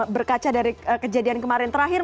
berkaca dari kejadian kemarin terakhir